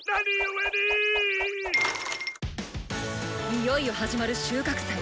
いよいよ始まる収穫祭。